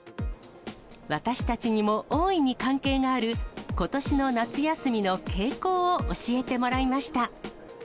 私たちにも大いに関係がある、ことしの夏休みの傾向を教えてもらいました。